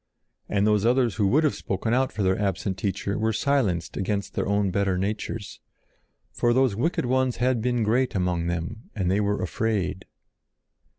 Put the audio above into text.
And those others who would have spoken out for their absent Teacher were silenced against their own better natures. For those wicked ones had been great among them, and they were afraid.